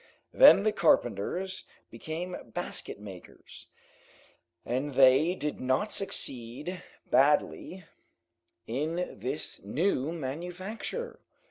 Then the carpenters became basket makers, and they did not succeed badly in this new manufacture.